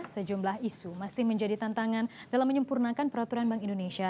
sejumlah isu masih menjadi tantangan dalam menyempurnakan peraturan bank indonesia